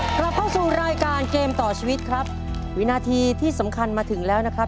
กลับเข้าสู่รายการเกมต่อชีวิตครับวินาทีที่สำคัญมาถึงแล้วนะครับ